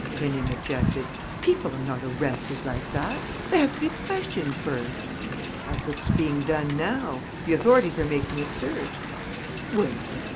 Rénine objected. "People are not arrested like that. They have to be questioned first." "That's what's being done now. The authorities are making a search." "Where?"